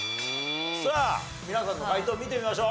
さあ皆さんの解答見てみましょう。